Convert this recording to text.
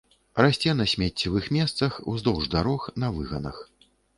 Расце на смеццевых месцах, уздоўж дарог, на выганах.